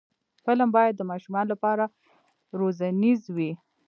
فلم باید د ماشومانو لپاره روزنیز وي